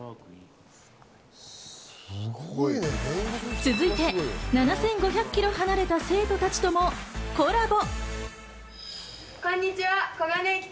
続いて７５００ｋｍ離れた生徒たちともコラボ。